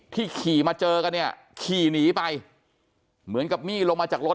ขี่มาเจอกันเนี่ยขี่หนีไปเหมือนกับมี่ลงมาจากรถ